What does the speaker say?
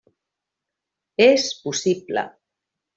És possible.